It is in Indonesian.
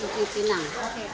ngusik di rumah anak di pinang